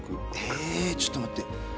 えちょっと待って。